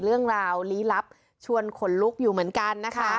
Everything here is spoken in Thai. เรื่องราวลี้ลับชวนขนลุกอยู่เหมือนกันนะคะ